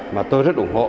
và tôi rất ủng hộ